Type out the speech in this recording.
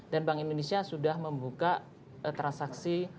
dan bank indonesia sudah membuka transaksi